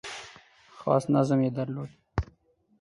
خاص نظم یې درلود .